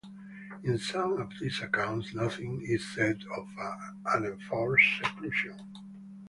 In some of these accounts nothing is said of an enforced seclusion.